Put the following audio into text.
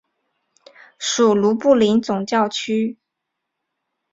属卢布林总教区。